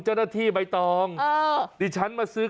แบบนี้คือแบบนี้คือแบบนี้คือ